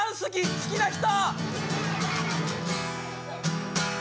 好きな人！